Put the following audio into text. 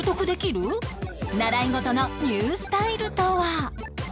習い事のニュースタイルとは？